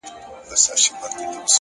o ځم ورته را وړم ستوري په لپه كي؛